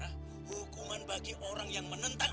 karena hukuman bagi orang yang menentang